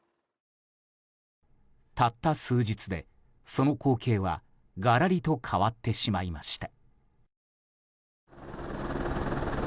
たった数日でその光景はがらりと変わってしまいました。